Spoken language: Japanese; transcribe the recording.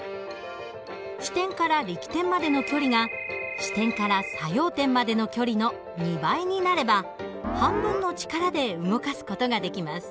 支点から力点までの距離が支点から作用点までの距離の２倍になれば半分の力で動かす事ができます。